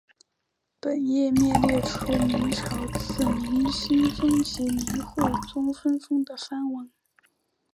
本页面列出明朝自明兴宗及明惠宗分封的藩王。